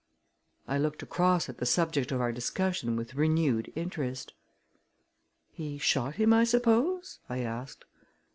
I looked across at the subject of our discussion with renewed interest. "He shot him, I suppose?" I asked.